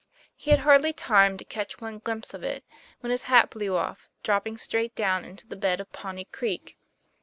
He had hardly time to catch one glimpse of it, when his hat blew off, drop ping straight down into the bed of Pawnee Creek.